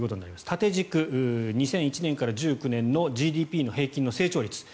縦軸、２００１年から１９年のＧＤＰの平均の成長率。